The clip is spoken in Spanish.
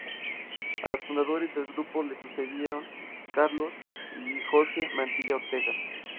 A los fundadores del grupo les sucedieron Carlos y Jorge Mantilla Ortega.